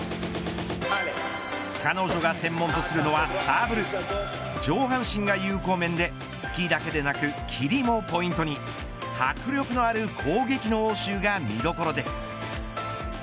彼女が専門とするのはサーブル上半身が有効面で突きだけではなく斬りもポイントに迫力のある攻撃の応酬が見どころです。